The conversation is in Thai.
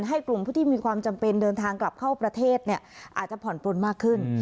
กลุ่มผู้ที่มีความจำเป็นเดินทางกลับเข้าประเทศอาจจะผ่อนปลนมากขึ้น